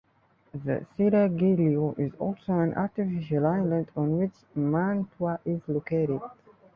The Seraglio is also an artificial island on which Mantua is located.